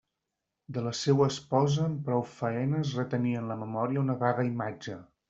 De la seua esposa amb prou faenes retenia en la memòria una vaga imatge.